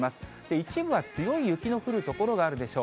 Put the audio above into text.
一部は強い雪の降る所があるでしょう。